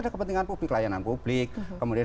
ada kepentingan publik layanan publik kemudian